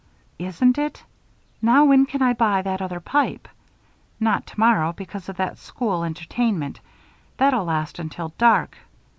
"Isn't it? Now when can I buy that other pipe? Not tomorrow, because of that school entertainment. That'll last until dark.